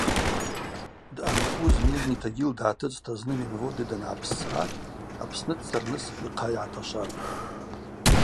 Дъанхуз Нижний Тагил дгӏатыцӏта зны Мин-Воды дангӏапссгӏа Апсны дцарныс йхъа йгӏаташватӏ.